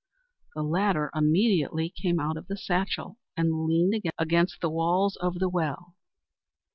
The Ladder immediately came out of the satchel, and leaned against the walls of the well.